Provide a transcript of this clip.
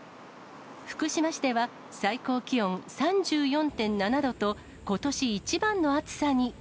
福島市では最高気温３４．７度と、ことし一番の暑さに。